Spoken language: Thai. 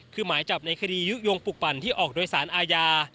คือหมายจับในคดียุโยงปลูกปั่นที่ออกโดยสารอาญา